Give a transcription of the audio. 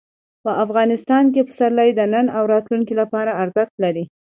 افغانستان کې پسرلی د نن او راتلونکي لپاره ارزښت لري.